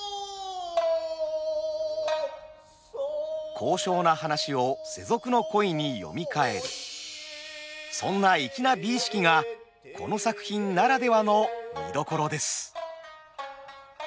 高尚な話を世俗の恋に読み替えるそんな粋な美意識がこの作品ならではの見どころです。